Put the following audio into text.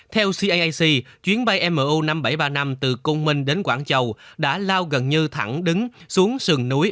theo caac chuyến bay mu năm nghìn bảy trăm ba mươi năm từ cung minh đến quảng châu đã lao gần như thẳng đứng xuống sườn núi